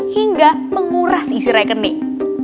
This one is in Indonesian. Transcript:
hingga menguras isi rekening